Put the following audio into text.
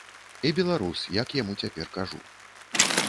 І беларус, як я яму цяпер кажу.